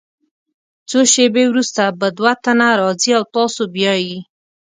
څو شیبې وروسته به دوه تنه راځي او تاسو بیایي.